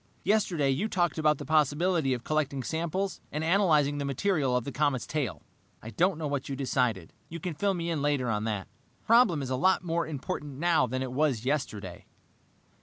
"Yesterday you talked about the possibility of collecting samples and analyzing the material of the comet's tail. I don't know what you decided. You can fill me in later on that. The problem is a lot more important now than it was yesterday.